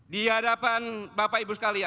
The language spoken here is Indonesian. di hadapan bapak ibu sekalian